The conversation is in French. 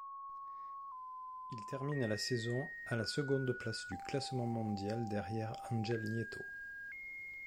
Il termine la saison à la seconde place du classement mondial derrière Angel Nieto.